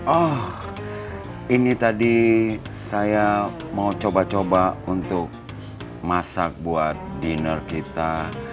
oh ini tadi saya mau coba coba untuk masak buat dinner kita